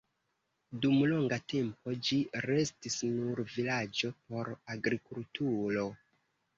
Dum longa tempo ĝi restis nur vilaĝo por agrikulturo.